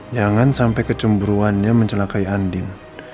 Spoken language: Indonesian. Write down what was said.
jangan sampai kecemburuannya mencelakai andin